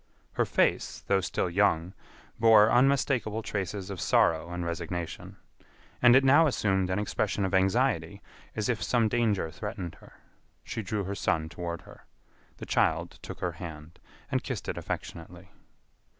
Her face, though still young, bore unmistakable traces of sorrow and resignation. And it now assumed an expression of anxiety as if some danger threatened her. She drew her son toward her. The child took her hand, and kissed it affectionately.